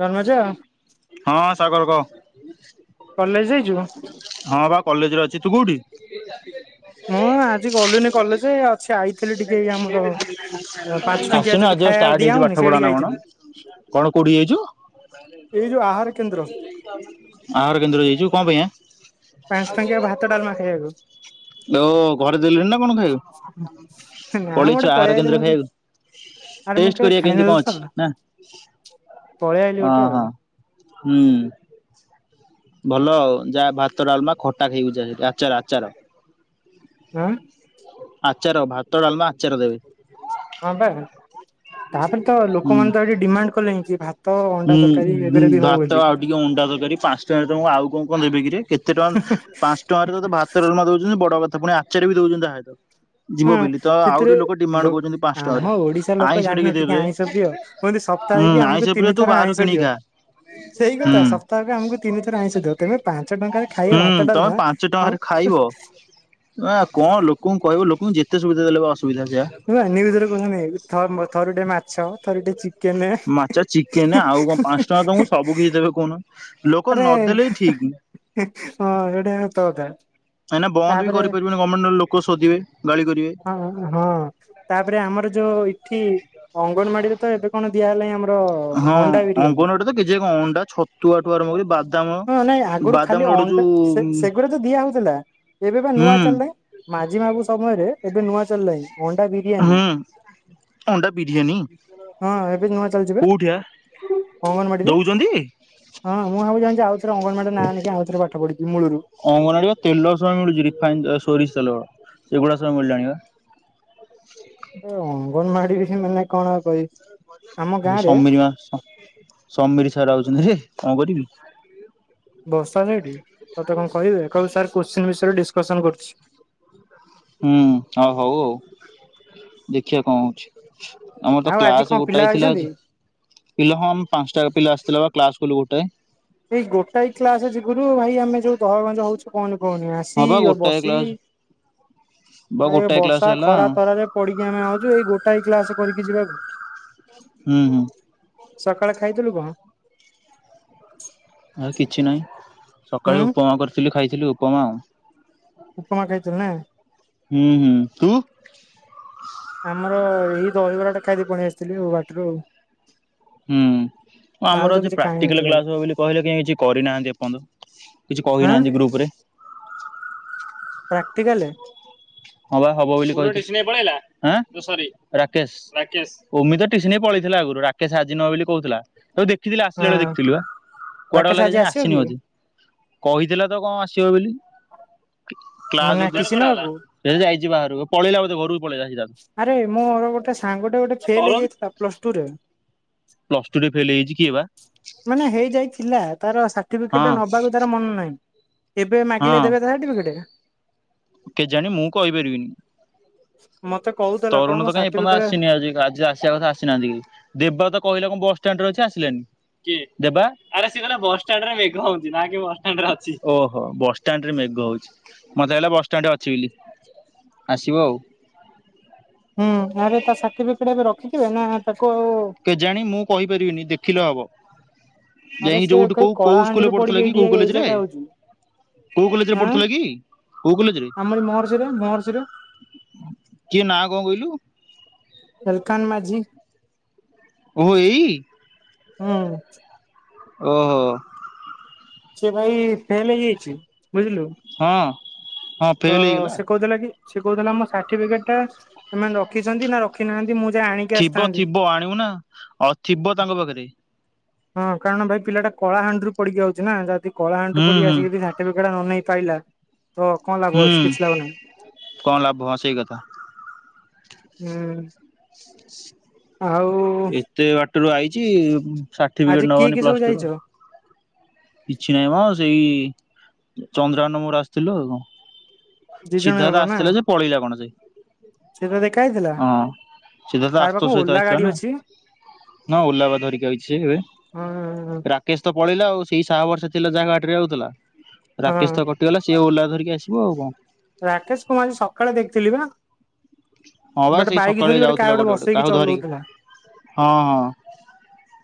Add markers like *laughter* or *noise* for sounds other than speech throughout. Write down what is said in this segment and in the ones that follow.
ଧର୍ମଜ ହଁ ସାଗର କହ ହୁଁ *inaudible* କଲେଜ ଯାଇଛୁ? ବା କଲେଜରେ ଅଛି ତୁ କୋଉଠି? ମୁଁ ଆଜି ଗଲିନି କଲେଜ ସେ *unintelligible* ପାଞ୍ଚ ଟଙ୍କିଆ ଆସୁନୁ ଯୋଉଠି ଆଜି ଖାଇବା ଷ୍ଟାର୍ଟ ଦିଆ ହେଇଛି ହଉନି ପାଠ ପଢା ସେଇଠିକି ନା କଣ ଆଇଥିଲି। କଣ କଉଠିକି ଯାଇଛୁ ଏଇ ଯୋଉ ଆହାର କେନ୍ଦ୍ର ଆହାର କେନ୍ଦ୍ର ଯାଇଛୁ କଣ ପାଇଁ ଆଁ? ପାଞ୍ଚ ଟଙ୍କିଆ ଭାତ ଡାଲମା ଖାଇବାକୁ ଦଉ ଘରେ ଦେଲେଣି ନା କଣ ଖାଇବ? ନାଇ ମୁଁ ଗୋଟେ ପଳେଇ ଆଇଲିି ମୁଁ ଆରେ ମୁଁ ଟେଷ୍ଟ କେ କରିବା କେମିତି ଖାଇନଲ କଣ ତ ଅଛି ନା? ପଳେଇ ଆଇଲିି ହଁ ଗୋଟେ ଆଉ ହଁ ହୁଁ। ଭଲ ଆଉ ଯାହା ଭାତ ଡାଲମା ଖଟା ଖାଇବୁ ଯା ଆଚାର ଆଚାର। ହୁଁ ଆଚାର ଭାତ ଡାଲମା ଆଚାର ଦେବେ। ହଁ ବା ତାପରେ ତ ହୁଁ ଲୋକମାନେ ତ ଏଠି ଡିମାଣ୍ଡ କଲେଣି କି ଭାତ ଅଣ୍ଡା ତରକାରୀ ଉଁ ଏବେରେ ବି ହଉ ଭାତ ବୋଲି। ଆଉ ଟିକେ ଅଣ୍ଡା ତରକାରୀ ପାଞ୍ଚ ତମକୁ ଆଉ କଣ କଣ ଦେବି କିରେ? କେତେ ଟଙ୍କା ପାଞ୍ଚ ଟଙ୍କାରେ ତତେ ଭାତ ଡାଲମା ଦଉଛନ୍ତି ବଡ କଥା। ତ ପୁଣି ଆଚାରରେ ବି ଦଉଛନ୍ତି ଯାହା ହେଉଥାଉ। ହଁ ସେଥିରେ ଲ ପାଞ୍ଚ ଟଙ୍କାରେ। ଆମ ଓଡିଶା ଲୋକ ଆଇଁଷ ଜାଣିନ ଟିକେ ଦେବେ ଆଇଁଷ ପ୍ରିୟ କୁହନ୍ତି ହୁଁ ସପ୍ତାହକି ଆଇଁଷ ଆମକୁ ପ୍ରିୟ ତିନି ତୁ ଥର ବାହାରୁ ଆଇଁଷ କିଣିକି ଦିଅ ଖା। ସେଇ ହୁଁ କଥା ସପ୍ତାହ ଆମକୁ ତିନି ଥର ଆଇଁସ ଦିଅ ତବେ ପାଞ୍ଚ ଟଙ୍କାରେ ଖାଇବ ହୁଁ ଭାତ ତମେ ଡାଲମା ପାଞ୍ଚ ଆଉ। ଟଙ୍କାରେ ଖାଇବ। ଆ କଣ ଲୋକଙ୍କୁ କହିବ ଲୋକଙ୍କୁ ଯେତେ ସୁବିଧ ଦେଲେ ଭି ଅସୁ ନ୍ୟୁଉଜ ରେ କହୁଛନ୍ତି ଥର ଥରୁଟେ ମାଛ। ଥରେ ଟେ ଚିକ ମାଛ, ଚିକେନ ଆଉ କଣ ପାଞ୍ଚ ଟଙ୍କା ତମକୁ ସବୁ କିଛି ଦେବେ କହୁନୁ। ଆରେ ହଁ ଏଡା ସତ କଥା। କାଇଁକିନା ବନ୍ଦ ବି ତାପରେ କରିପାରିବନି ଗଭର୍ଣମେଣ୍ଟ ଲୋକ ଶୋଧିବେ ଗାଳି କରିବେ। ଓ ଇଠି। ଅଙ୍ଗନବାଡିରେ ତ ଏବେ କଣ ଦିଆହେଲାଣି ଆମର ହଁ ଅଣ୍ଡା ବିରିୟାନୀ। ଅଙ୍ଗନବାଡି ତ କେଜିଏ କଣ ଅଣ୍ଡା ଛତୁଆଠୁ ଆରମ୍ଭ କରି ବାଦାମ ହଁ ନାଇଁ ଆଗରୁ ବାଦାମ ଖାଲି ଲଡୁ ଅଣ୍ଡା ଯୋଉ ସେ ସେଗୁଡା ତ ଦିଆ ହଉଥିଲା ଏବେ ବା ନୂଆ ହୁଁ ଚାଲିଲା ମାଝି ବାବୁ ସମୟରେ ଏବେ ନୂଆ ଚାଲିଲାଣି ଅଣ୍ଡା ବିରିୟାନୀ। ହୁଁ ହଁ ଏବେ ନୂଆ ଚାଲିଛି କଉଠି ବା ଅଙ୍ଗନବାଡିରେ ଦଉଛନ୍ତି? ହଁ ମୁଁ ଭବୁଛି ଜାଣି ମୂଳରୁ। ଅଙ୍ଗନବାଡ଼ି ତେଲ ସହ ମିଳୁଛି ରିଫାଇନ, ସୋରିଷ ତେଲ। ସେଗୁଡା ସବୁ ମିଳିଲାଣି ବା। ଏ ଅଙ୍ଗନବାଡି ବିସେରେ ମାନେ କଣ ଆଉ କହିବି। ଆମ ଗାଁ ରେ ସମୀର ମା ସମ ସମୀର ସାର ଆଉଛନ୍ତି ହେ। କଣ କରିବି? ବର୍ଷା ହେଲା ହେଠି। ତତେ କଣ କହିବେ? କହିବୁ ସାର କୋଶ୍ଚିନ୍ ବିଷୟରେ ଡିସ୍କସନ୍ କରୁଛି। ହୁଁ ହଉ ହଉ ଆଉ ଦେଖିବା କଣ ହଉଛି? ଆମର ତ ଆଉ ଆଜି କଣ କ୍ଲାସ ପିଲା ଗୋଟାଏ ଥିଲା ଆଇଛନ୍ତି ପିଲା ହଁ ପାଞ୍ଚଟା ପିଲା ଆସିଥିଲା କ୍ଲାସ ଫୁଲ ଗୋଟାଏ। ଏଇ ଗୋଟାଏ କ୍ଲାସ ଯଗୁରୁ ଭାଇ ଆମେ ଯୋଉ ଦହଗଞ୍ଜ ହଉଛୁ। କୁହନି କହୁନି ହଁ ଆସି ବା ଗୋଟାଏ ବସି କ୍ଲାସ ବା ଆ ଏ ଗୋଟାଏ କ୍ଲାସ ବସା ହେଲା ଖରା ତରାରେ ପଡିକି ଆମେ ଆଉଛୁ ଏଇ ଗୋଟାଏ କ୍ଲାସ କରିକି ଯିବାକୁ। ହୁଁ ହୁଁ। ସକାଳେ ଖାଇଥୀଲୁ କଣ? *inaudible* ଆଉ କିଛି ନାହିଁ। ହୁଁ ସକାଳେ ଉପମା କରିଥିଲି ଖାଇଥିଲି। ଲି ଉପମା ଆଉ। ଉପମା ଖାଇଥିଲୁ ନା। ହୁଁ ହୁଁ। ତୁ? ଆମର ଏଇ ଦହିବରା ଟା ଖାଇଦି ପଳେଇ ଆସିଥିଲି ଆଉ ବାଟରୁ ଆଉ। ହୁଁ ଆଉ ଆମର ତ କିଛି ପ୍ରାକ୍ଟିକାଲ ଖାଇନଥିଲି ଆଉ କ୍ଲାସ ହବ ବୋଲି କହିଲେ କେହି କିଛି କରିନାହାନ୍ତି ଆପଣନ୍ତ କିଛି ଆଁ। କହିନାହାନ୍ତି ଗ୍ରୁପରେ। *unintelligible* ପ୍ରାକ୍ଟିକାଲେ ହଁ ବା ହବବୋଲି କହିଛି ହାଁ ରାକେଶ ଓମୀ ତ ଟିସି ନେଇ ପାଳେଇ ଥିଲା ଆଗରୁ ରାକେଶ ଆଜି ନବ ବୋଲି କହୁଥିଲା। ହୋଉ ଦେ ଦେଖିଥିଲ ଆସିଲା ବେଳେ ହଁ ଦେଖିଥିଲୁ ବା କୁଆଡେକୁ ରାକେଶ ଲାଗେ ଆଜି ଜାଣି ଆସିବ ଆସିନି କି? ଅ କହିଥିଲା ତ କଣ ଆସିବ ବୋଲି ମାନେ କ୍ଲାସ *inaudible* ଟିସି ନବାକୁ ବାହାରକୁ ପଳେଇଲା ବୋଧେ ଘରକୁ ପଳେଇଲା ସିଦ୍ଧାର୍ଥ। ଆରେ ମୋର ଗୋଟେ ସାଙ୍ଗଟେ ଗୋଟେ ଫେଲ ହେଇଯାଇଥିଲା ପ୍ଲସ ଟୁ ରେ *inaudible* ପ୍ଲସ ଟୁ ରେ ଫେଲ ହେଇଛି କି ବା ମାନେ ହେଇଯାଇଥିଲା *inaudible* ତାର ସା ହଁ *unintelligible* ନବାକୁ ତାର ମନ ନାହିଁ। ଏବେ ମାଗିଲେ ଦେବେ ତାଟିବିକେଟ? କେଜାଣଣି ମୁଁ କହିପାରିବିନି। ମତେ କହୁଥିଲା କହିଲା ତରୁଣ ମୋ ତ କାହିଁ ଏପର୍ଯ୍ୟନ୍ତ ସାର୍ଟିଫିକେଟ ଆସିନି ଆଜି ଆଜି ଆସିବା କଥା ଆସିନାହାନ୍ତି କି ଦେବବା ତ କହିଲା କ ଵାସ ଷ୍ଟାଣ୍ଡରେ ଅଛି ଆସିଲାନି ଦେବା ଓହୋ ଵାସ ଷ୍ଟାଣ୍ଡ ରେ ମେଘ ହୋଉଛି। ମତେ କହିଲା ବ ଷ୍ଟଟେ ଅଛି ବୋଲି ଆସିବ ଆଉ। ହୁଁ। *unintelligible* ଶଖିବେ ନା ଆଉ କେଜାଣି ମୁଁ କହିପାରିବିନି ଦେଖିଲେ ହବ। ଆରେ ଯାଇକି ସେ ଯୋଉଠି କହି କୋଉ କୋଉ ସ୍କୁରେ କଳାହାଣ୍ଡିରୁ ପଡିକି ପଢୁଥିଲା କି ଏଇଠି କୋଉ ଏଇ କଲେଜରେ ଜାଗା ହଉଛି କୋଉ କଲେଜରେ ଆଁ ପଢୁଥିଲା କି କୋଉ କଲେରେ ଆମରି ମହର୍ଷିରେ ମହର୍ଷିର କିଏ ନାଁ କଣ କହିଲୁ? ହେଲକାନ ମାଝି *inaudible* ଓହୋ ଏଇ ହୁଁ। ଓହୋ। ସେ ଭାଇ ଫେଲ ହେଇ ଯାଇଛି। ବୁଝିଲୁ ହଁ ହଁ ତ ଫେଲ ହେଇଗଲା ସେ କହୁଥିଲା କି ସେ କହୁଥିଲା ମୋ ସାର୍ଟିଫିକେଟ ଟା ଏମାନେ ରଖିଛନ୍ତି ନା ରଖିନାହାନ୍ତି। ମୁଁ ଯାଇ ଆଣିକି ଥିବ ଆସିଥାନ୍ତି। ଥିବ ଆଣିବୁ ନା ଆଉ ଥିବ ତାଙ୍କ ପାଖରେ ହଁ କାରଣ ଭାଇ ପିଲାଟା କଳାହାଣ୍ଡିରୁ ପଢିକି ଆଉଛି ନା। ଯାହା କଳାହାଣ୍ଡିରୁ ହୁଁ ପଢି ହୁଁ। ଆସିକିି ଏଠି ସାଟିଫିକେଟ ନ ନେଇ ପାଇଲା। ତ କଣ ଲାଭ ଅଛି ହୁଁ କିଛି ଲାଭ ନାହିଁ। କଣ ଲାଭ ହ ସେଇ କଥା। ହୁଁ। ଆଉ ରୁ ଆଇଛି ସାର୍ଟିଫିକେଟ୍ ଆଜି କିଏ ନେବନି କିଏ ସବୁ ପ୍ଲସ୍ ଟୁ ଯାଇଛ? ର କିଛି ନାହିଁ ମ ସେଇ ଚନ୍ଦ୍ରାନ ମୋର ଆସିଥିଲୁ ଆଉ। ଦି ଜଣ ସିଧାର୍ଥ ଗଲ ନା ଆସିଥିଲା ଯେ ପଳେଇଲା କଣ? ସେ ସେ ତ ଦେଖା ହେଇଥିଲା ହଁ ସିଧାର୍ଥ ତାର ପାଖକୁ ଆଶୁତୋଷ ସହିତ ଓଲା ଆସିଥିଲା ଗାଡି ନା। ଅଛି। ହଁ ଓଲାପା ଧରିକି ଆଇଛି ସେ ଏବେ, ହଁ ରାକେଶ ତ ପଳେଇଲା ଆଉ ସେଇ ଶାହା ଭରସା ସେ ଜାଗାଟରେ ଯଉଥିଲା *unintelligible* ରାକେଶ ହଁ ତ କଟିଗଲା ସିଏ ଓଲା ଧରିକି ଆସିବ ଆଉ କଣ? ରାକେଶ କୁ ମୁଁ ଆଜି ସକାଳେ ଦେଖିଥିଲି ପା। ହଁ ବା ଗୋଟେ ସେଇ ବାଇକ ସକାଳେ ଧରି ଗୋଟେ ଯାଉଥିଲା କାହା ଗୋଟେ ବସେଇକି କାହାକୁ ଧରିକି ଚଲଉଥିଲା। ହଁ ହଁ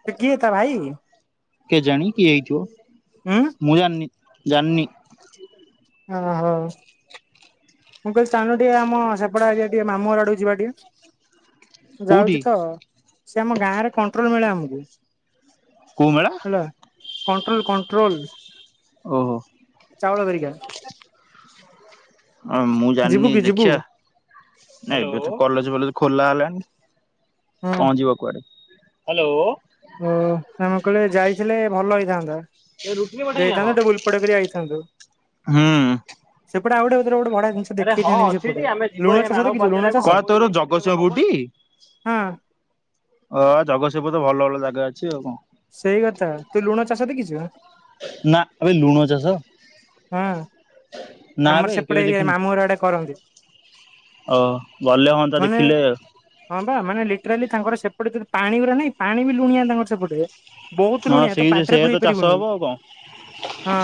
ସେ କିଏ ତା ଭାଇ? କେଜାଣି କିଏ ହେଇଥିବ ଉଁ ମୁଁ ଜାଣିନି। ଜାଣିନି। ଓହୋ। ମୁଁ କହିଲି ଚାଲୁନୁ ଟିକେ ଆମ ସେପଟ ଆଡେ ଟିକେ ମାମୁଁ ଆଡୁ ଯିବା ଟିକେ। କୋଉଠି ଯାଉଛି ତ ସେ ଆମ ଗାଁରେ କଣ୍ଟ୍ରୋଲ ମିଳେ। ହ *inaudible* କୋଉ ମେଳା? Control control. ଓହୋ ଚାଉଳ ବେରି। ହଁ ମୁଁ ଜାଣିନି ଯିବୁ? ଦେଖିବା ନ କଲେଜଫଲେଜ ଖୋଲା ହେଲେ। ହଁ ଓ *unintelligible* ପହଞ୍ଚିବ କୁଆଡେ। ହ୍ୟାଲୋ। ଓ ଆମେ କହିଲେ ଯାଇଥିଲେ ଭଲ ହେଇ *unintelligible* ର ପେଇ ଆଇଥାନ୍ତୁ। *unintelligible* ହୁଁ। ଆ *unintelligible* ଆରେ ହଁ। ଅଛି ଆମେ ଯିବ ଚାଷ ମାଣବ ଦେଖିଛୁ ଲୁଣ ଚାଷ? କ ତୋର। ଜଗତସିଂହପୁରଟି ଅ ହଁ ଜଗତସିଂହପୁର ତ ଭଲ ଭଲ ଜାଗା। ଜଗା ଅଛି ଆଉ କଣ? ସେଇ କଥା, ତୁ ଲୁଣ ଚାଷ ଦେଖିଛୁ? ନା, ଆବେ ଲୁଣ ଚାଷ। ହଁ ନା ଆମର ବେ ସେପଟେ କେବେ ଏରିଆ ଦେଖିନି ମାମୁଁ ଘର ଆଡେ କରନ୍ତି। ଓ ଗଲେ ହଅନ୍ତା ମାନେ ଦେଖିଲେ ହଁ ବା ମାନେ ଲିଟ୍ରାଲି ତାଙ୍କର ସେପଟେ ଯ ପାଣି ଉରା ନାଇଁ, ପାଣି ବି ଲୁଣିଆ ତାଙ୍କର ସେପଟେ। ବହୁତ ହଁ ଲୁଣିଆ ତୁ ସେଇ ଯେ ପାଟିରେ ସେଇଆ ତ ପୁରଇ ଚାଷ ପାରିବୁନୁ। ହବ ଆଉ କଣ ହଁ।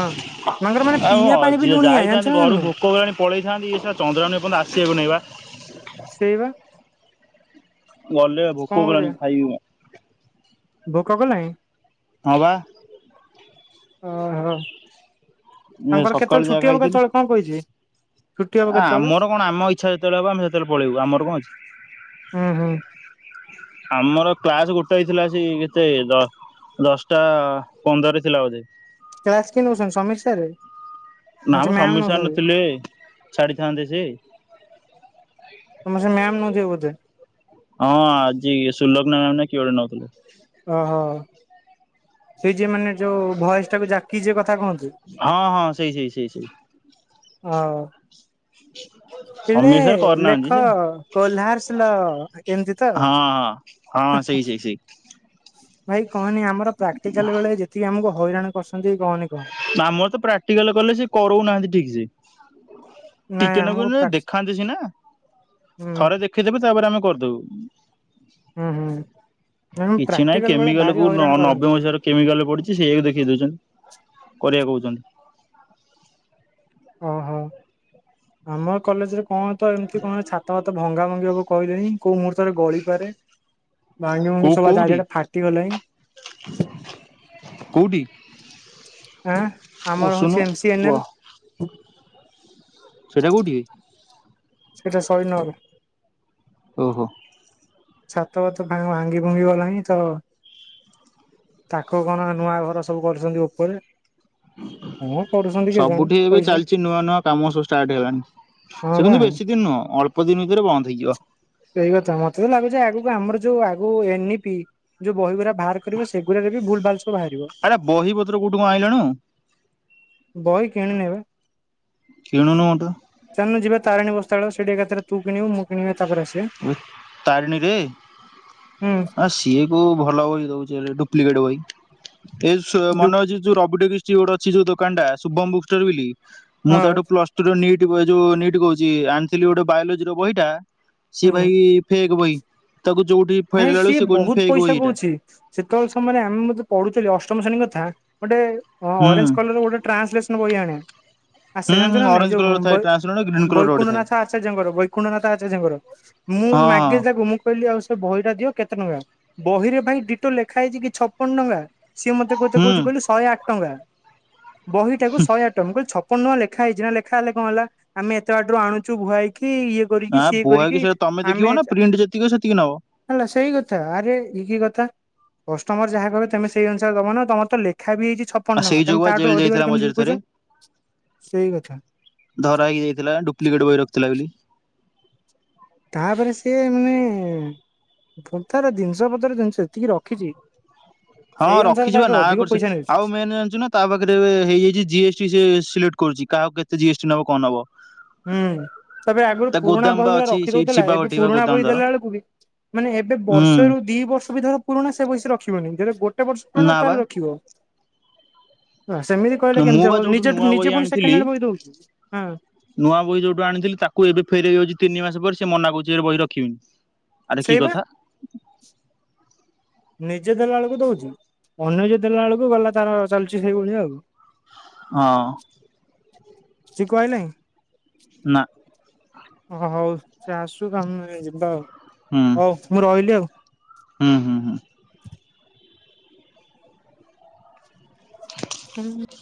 ତାଙ୍କର ମାନେ ଆଉ ପିଇବା ହଁ। ପାଣି ବି ଯିଏ ଲୁଣିଆ ଜାଣିଛୁ ଯାଇଥାନ୍ତି ନା ଘରୁ ଜାଣିନୁ ଭୋକ ହେଲାଣି ପଳେଇଥାନ୍ତି ଏ ଶଳା ଚନ୍ଦ୍ରାଣ ଏପର୍ଯ୍ୟନ୍ତ ଆସିବାକୁ ନାଇ ବା। ସେଇବା। ଗଲେ ଭୋକ କଲାଣି ଖାଇବି ମୁଁ। ଭୋକ କଲାଇଁ? ହଁ ବା। ଓହୋ। ତାଙ୍କର କେତେବେଳେ ଛୁଟି ହବ କେତେବେଳେ କଣ କହିଛି? ଛୁଟି ହବ ଆ କେତେବେଳେ? ଆମର କଣ ଆମ ଇଚ୍ଛା ଯେତେବେଳେ ହବ ଆମେ ସେତେବେଳେ ପଳେଇବୁ ଆମର କଣ ଅଛି। ହୁଁ ହୁଁ ଆମର କ୍ଲାସ ଗୋଟେ ହେଇଥିଲା ସେଇ କେତେ ଦଶ ଦଶଟା ପନ୍ଦରରେ ଥିଲା ବୋଧେ। କ୍ଲାସ କିଏ ନଉଛନ୍ତି ସମୀର ସାର୍? ନା ନାଁ ସେ ମ ମ୍ୟାମ ସମୀର ସାର ନଉଛନ୍ତି? ନଥିଲେ ଛାଡିଥାନ୍ତେ ଯେ। ତମ ସେ ମ୍ୟାମ ନଉଥିବେ ବୋଧେ। ହଁ। ଆଜି ସୁଲଗ୍ନା ମ୍ୟାମ ନା କିଏ ଗୋଟେ ନଉଥିଲେ। ଓହୋ। ସେଇ ଯିଏ ମାନେ ଯୋଉ ଭଏସ ଟାକୁ ଜାକିକି ଯିଏ କଥା କହନ୍ତି। ହଁ ହଁ ସେଇ ସେଇ ସେଇ ସେଇ ହଁ। ପିଲେ ସମୀର କରିନାହାନ୍ତି ଲେଖ ଯେ କୋହ୍ଲାରସିଲ ଏମତି ତ। ହଁ ହଁ। ହଁ ସେଇ ସେଇ ସେଇ ଭାଇ କହନି ଆମର ପ୍ରାକ୍ଟିକାଲ ବେଳେ ଯେତିକି ଆମକୁ ହଇରାଣ କରିସନ୍ତି ଆମର ତ ପ୍ରାକ୍ଟିକାଲ କଲେ ସେ କରଉନାହାଁନ୍ତି ଠିକସେ। ହଁ। ନାଇଁ ଟିକେ ଆମକୁ ନାକୁରୁ ପ୍ରାକ୍ ଦେଖାନ୍ତି ସିନା। ହୁଁ ଥରେ ଦେଖେଇଦବେ ତାପରେ ଆମେ ହୁଁ ହୁଁ କରିଦବୁ। ନାଇଁ କିଛି ନାହିଁ ପ୍ରାକ୍ଟିକାଲ ବେଳେ କେମିକାଲ ଭାରି କୋଉ ହଇରାଣ ନବେ କରନ୍ତି। ମସିହାର କେମିକାଲ ପଡିଛି ସେଇଆ ଦେଖେଇ ଦଉଛନ୍ତି। କରିଆ କହୁଚନ୍ତି। ଓହୋ ଆମ କଲେଜରେ କଣ ତ ଏମିତି କଣ ଛାତ ଭାତ ଭଙ୍ଗା ଭଙ୍ଗି ହବ କହିଲେଣିି କୋଉ ମୁହୂର୍ତ୍ତରେ ଗଳିପାରେ। ଭାଙ୍ଗି ଭୁଙ୍ଗି କୋଉ ସବୁ କୋଉଠି ଚାରିଆଡ଼େ ଫାଟିଗଲାଇଁ। କୋଉଠି ଆଁ ଆମର ଉସୁନ ହଉଛି ଏମ ସି ଏନ୍ ୱ ଏଲ। ସେଇଟା କୋଉଠି ବେ। ସେଟା ସୈନର ଓ ହୋ। ଛାତ ଭାତ ଭାଙ୍ଗି ଫୁଙ୍ଗି ଗଲାଣିିଁ ତ ତାକୁ କଣ ନୂଆ ଘର ସବୁ କରୁଛନ୍ତି ଉପରେ। କଣ କରୁଛନ୍ତି କେଜାଣି ସବୁଠି ଏବେ ପଇସା ଚାଲିଛି ନୂଆ ନୂଆ କାମ ସବୁ ଷ୍ଟାର୍ଟ ହେଲାଣି ହଁ ସେ ବା। କିନ୍ତୁ ବେଶୀ ଦିନ ନୁହଁ ଅଳ୍ପ ଅଳ୍ପଦିନ ଭିତରେ ବନ୍ଦ ହେଇଯିବ। ସେଇ କଥା ମତେ ଲାଗୁଛି ଆଗକୁ ଆମର। ଯୋଉ ଆଗ ନ ଏ ପି ଯୋଉ ବହି ଗୁଡା ବାହାର କରିବ ସେଗୁଡାରେ ବି ଭୁଲ ଭାଲ। ସବୁ ବାହାରିବ ଆରେ ବହି ପତ୍ର କୋଉଠି କ ଆଇଲୁଣୁ। ବହି କିଣନି ବେ କିଣୁନୁ ଗୋଟେ ଚାଲନୁ ଯିବେ ତାରିଣୀ ବସ୍ ସେଠି ଏକଥରେ ତୁ କିଣ ମୁ। ଏ ତାରିଣୀରେ ହୁଁ ଆ ସିଏ କ ଭଲ ବ ଦଉଛି। ପଲିଗଡ଼ ଭାଇ। ଏଇ ଦୁ ମନେ ଅଛି ଯୋଉ ରବି ଟେ କିଛି ଗୋଟେ। ସେ ଯୋ ଦୋକାନଟା ସୁୁ୍ଭମ ବୁକ୍ଷ୍ଟୋର ବୋଲି ମୁଁ ହଁ ତାଠୁ ପ୍ଲସ ଟୁ ଲିଟ୍ ଯୋଉ ନିଟ୍ କହୁଛି ଆଣିଥିଲି ଗୋଟେ ବାୟୋଲୋଜି ର ବହିଟା ସେ ହୁଁ ଭାଇ ଫେକ୍ ବଇ ନାଇଁ ସିଏ ବହୁତ୍ ଫେକ୍ ବହି ପଇସା ଏଇଟା। କହୁଛି ସେତେବେଳେ ସମୟରେ ଆମେ ମତେ ପଢୁଥିଲେ ଅଷ୍ଟ ପ୍ରଥମ ଶ୍ରେଣୀ କଥା ଗୋଟେ ହଁ ହୁଁ ଅରେଞ୍ଜ କଲର ଗୋଟେ ଟ୍ରାନ୍ସଲେସନ ବହି ଆଣ ଆ ସେ ହୁଁ ଜାଣିଛୁ ହୁଁ ନା ନାଇଁ ଅରେଞ୍ଜ ଯୋଉ କଲର ଥାଏ ଟ୍ରାନ୍ସପେରେଣ୍ଟ ଗ୍ରୀନ କଲର ଗୋଟେ ଥାଏ ବୈକୁଣ୍ଣ୍ଡନାଥ ଆଚାର୍ଯ୍ୟଙ୍କର ବୈକୁଣ୍ଣ୍ଡନାଥ ଆଚାର୍ଯ୍ୟଙ୍କର ମୁଁ ହଁ ମାଗେ ହଁ ତାକୁ ମୁଁ କହିଲି ଆଉ ଏଇଟା ଦିଅ କେତେ ଟଙ୍କା ବହିରେ ଭାଇ ଡିଟୋ ଲେଖା ହେଇଛି କି ଛପନ ଟଙ୍କା ସିଏ ମତେ କୋତେ ହୁଁ। କହୁଛି କହିଲୁ ଶହେ ଆଠ ଟଙ୍କା ବହିଟାକୁ ଶହେ ଆଟ ମୁ କଇଲି ଛ କଣ ନୁଆ ଲେଖାଇଛି ନା ଲେଖା ହେଲେ କଣ ହେଲା ଆମେ ଏତେ ବାଡରୁ ଆଣୁଚୁ ଭୁହାଇ ନା ଭୁଆକି ସେ ତମେ ଦେଖିବ ନା ପ୍ରିଣ୍ଟ ଯେତିକି ସେତିକି ନବ ହେଲା ସେଇ କଥା ଆରେ ଏ କି କଥା କଷ୍ଟମର ଯାହା କହେବେ ତେମେ ସେଇ ଅନୁସାରେ ଦବନା ତମର ତ ଲେଖା ବି ହେଇଛି ଛପନ ଆଉ ସେଇ ଟଙ୍କା ତମେ ଯୋଗୁ ବା ତାଠୁ ଜେଲ୍ ଅଧିକରେ ଯାଇଥିଲା କେମିତି ମଝିରେ ବିକୁଛ? ଥରେ ସେଇ କଥା ଧରା ହେଇକି ଯାଇଥିଲା ଡୁପ୍ଲିକେଟ୍ ବହି ରଖିଥିଲା ବୋଲି। ତାପରେ ସିଏ ଏମେ ଁ ଭ ତାର ଜିନିଷ ପତ୍ର ଜିନିଷ ସେତିକି ରଖିଛି। ହଁ ସେଇ ଅନୁସାରେ ରଖିଛି ବା ତାଠୁ ନାଁ ଅଧିକ କରୁଛ ପଇସା ନେଉଛି ଆଉ ମେନ ଜାଣିଛୁ ନା ତା ପାଖରେ ହେଇଯାଇଛି ଜି ଏସ୍ ଟି ସିଲେକ୍ଟ କରୁଛି କାହାକୁ କେ ସେ ଜିଏସ୍ଟି ନବ କଣ ନବ? ହୁଁ ତବେ ଆଗରୁ ତା ପୁରୁଣା ଗୋଦାମ ବା ବହି ଗୁଡ଼ା ଅଛି ରଖି ସେଇଠି ଦଉଥିଲା ଶିବା ଏବେ ଘଟି ବା ପୁରୁଣା ଗୋଦାମ ବହି ତାର ଦେଲା ବେଳକୁ ବି ମାନେ ଏବେ ହୁଁ ବର୍ଷରୁ ଦି ବର୍ଷ ବି ଧର ପୁରୁଣା ସେ ବହିସ ରଖି ଗୋ ଏତେ ବର୍ଷ ପଣ ନା ବା ତାଲ ରଖିବ। ହଁ ସେମିତି କହିଲେ ମୁଁ କେମିତି ବା ହବ ଯୋଉଠୁ ନିଜେ ନୂଆ ବହି ନିଜେ ପୁଣି ସେକେଣ୍ଡ ଆଣିଥିଲି ହ୍ୟାଣ୍ଡ ବହି ଦଉଛୁଁ ହା ନୂଆ ବହି ଯୋଉଠୁ ଆଣିଥିଲ ତାକୁ ଏବେ ଫେରଇ ଯାଉଛି ତିନି ମାସ ପରେ ସେ ମନା କଉଛି ଏ ବହି ରଖିବିନି। ଆରେ କି ସେଇବା କଥା ନିଜେ ଦେଲା ବେଳକୁ ଦଉଛି ଅନ୍ୟଜେ ଦେଲା ବେଳକୁ ଗଲା ତାର ଚାଲିଛି ସେଇଭଉଳିଆ ଆଉ। ହଁ। ଶିକାଆଇ ନାଇଁ ନା ଓ ହଉ ସେ ଆସୁ କାମେ ଯିବା। ହୁଁ ହଉ ମୁଁ ରହିଲି ଆଉ ହୁଁ ହୁଁ ହୁଁ। ହୁଁ।